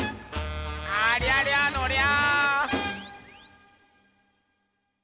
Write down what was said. ありゃりゃのりゃ！